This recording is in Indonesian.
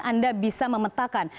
anda bisa memetakan